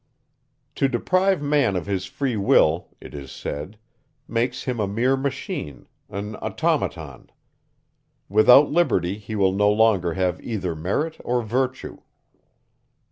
"To deprive man of his free will," it is said, "makes him a mere machine, an automaton. Without liberty, he will no longer have either merit or virtue."